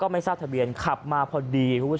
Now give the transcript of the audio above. ไม่ทราบทะเบียนขับมาพอดี